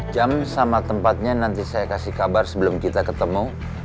jam sama tempatnya nanti saya kasih kabar sebelum kita ketemu